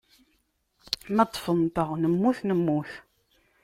Ma ṭṭfent-aɣ, nemmut nemmut.